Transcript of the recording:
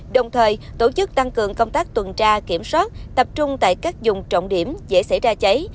đồng thời tổ chức tăng cường công tác tuần tra kiểm soát tập trung tại các dùng trọng điểm dễ xảy ra cháy